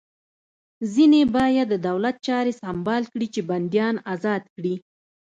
ځینې باید د دولت چارې سمبال کړي چې بندیان ازاد کړي